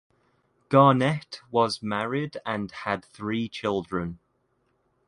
Garnett was married and had three children.